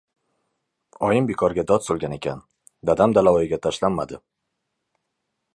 Oyim bekorga dod solgan ekan. Dadam Dalavoyga tashlan- madi.